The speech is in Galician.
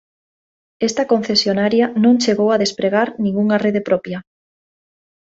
Esta concesionaria non chegou a despregar ningunha rede propia.